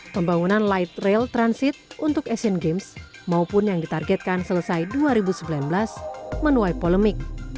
pembangunan light rail transit untuk asian games maupun yang ditargetkan selesai dua ribu sembilan belas menuai polemik